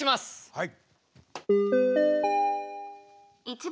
はい。